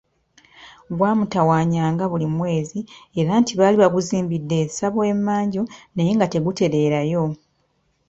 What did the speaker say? Gwamutawaanyanga buli mwezi era nti baali baguzimbidde essabo e manju naye nga tegutereerayo.